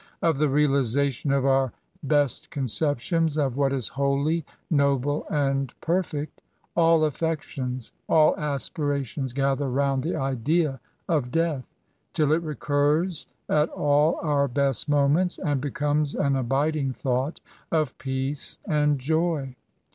t)f the realisation of our best conceptions of what is holy, noble, aind perfect, —» all affections, all aspirations gather round the idea of Death, till it recurs at all our best moments, and becomes an abiding thought of peace and joy.